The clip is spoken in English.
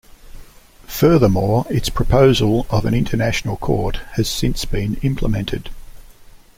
Furthermore, its proposal of an international court has since been implemented.